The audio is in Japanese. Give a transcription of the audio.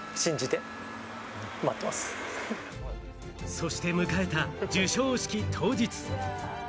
そして迎えた授賞式当日。